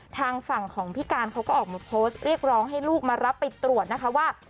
ทางฝั่งของพี่การเขาก็ออกมาโพสต์เรียกร้องให้ลูกมารับไปตรวจนะคะว่า